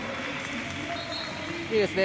いいですね